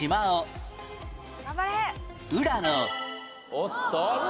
おっと？